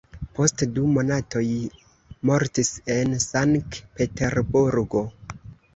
Post du monatoj mortis en Sank-Peterburgo.